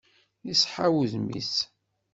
Iseḥḥa wudem-is.